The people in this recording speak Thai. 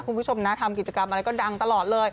คุณผู้ชมนะทำกิจกรรมอะไรก็ดังตลอดเลย